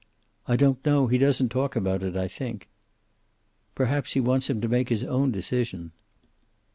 "I don't know. He doesn't talk about it, I think." "Perhaps he wants him to make his own decision."